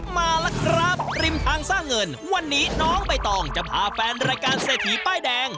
มาแล้วครับริมทางสร้างเงินวันนี้น้องใบตองจะพาแฟนรายการเศรษฐีป้ายแดง